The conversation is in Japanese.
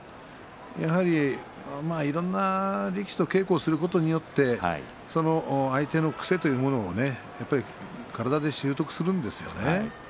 やはりいろんな力士と稽古することによってその相手の癖というものを体で習得するんですよね。